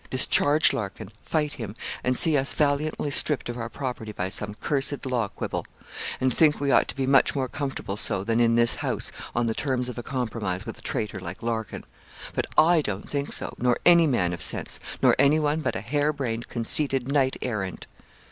Discharge Larkin fight him and see us valiantly stript of our property by some cursed law quibble; and think we ought to be much more comfortable so, than in this house, on the terms of a compromise with a traitor like Larkin. But I don't think so, nor any man of sense, nor anyone but a hairbrained, conceited knight errant.'